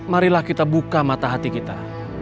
marilah kita buka mata hati kita